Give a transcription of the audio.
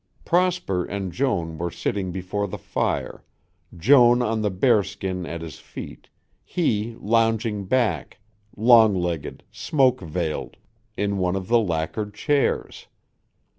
'" Prosper and Joan were sitting before the fire, Joan on the bearskin at his feet, he lounging back, long legged, smoke veiled, in one of the lacquered chairs.